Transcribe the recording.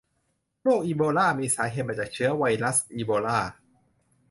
โรคอีโบลามีสาเหตุมาจากเชื้อไวรัสอีโบลา